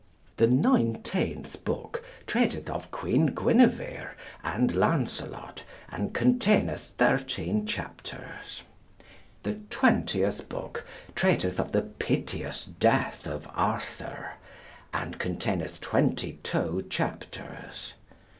The nineteenth book treateth of Queen Guinevere, and Lancelot, and containeth 13 chapters. The twentieth book treateth of the piteous death of Arthur, and containeth 22 chapters.